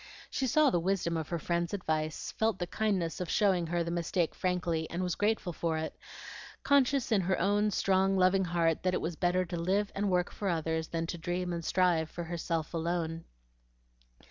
She saw the wisdom of her friend's advice, felt the kindness of showing her the mistake frankly, and was grateful for it, conscious in her own strong, loving heart that it was better to live and work for others than to dream and strive for herself alone.